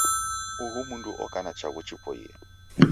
Uhu m'ndu oka na chaghu chipoie.